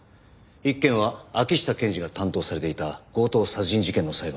一件は秋下検事が担当されていた強盗殺人事件の裁判。